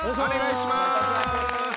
お願いします！